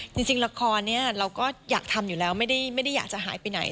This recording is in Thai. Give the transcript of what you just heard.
จริงละครนี้เราก็อยากทำอยู่แล้วไม่ได้อยากจะหายไปไหน